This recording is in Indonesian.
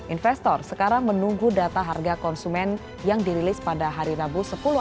investor sekarang menunggu data harga konsumen yang dirilis pada hari rabu sepuluh